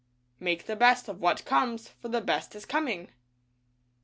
Make the best of what comes, for the best is coming.